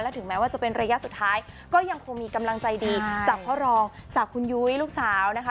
ถึงแม้ว่าจะเป็นระยะสุดท้ายก็ยังคงมีกำลังใจดีจากพ่อรองจากคุณยุ้ยลูกสาวนะคะ